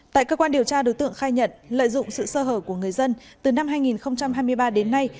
tại cơ quan điều tra đối tượng khai nhận lợi dụng sự sơ hở của người dân từ năm hai nghìn hai mươi ba đến nay